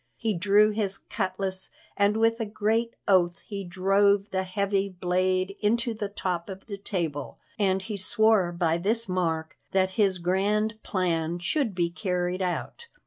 He drew his cutlass, and with a great oath he drove the heavy blade into the top of the table, and he swore by this mark that his grand plan should be carried out.